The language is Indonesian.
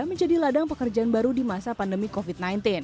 menjadi ladang pekerjaan baru di masa pandemi covid sembilan belas